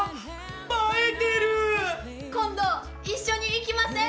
今度一緒に行きません？